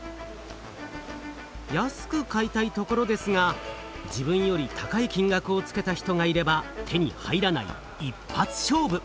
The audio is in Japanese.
安く買いたいところですが自分より高い金額をつけた人がいれば手に入らない一発勝負。